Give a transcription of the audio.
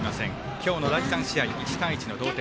今日の第３試合、１対１の同点。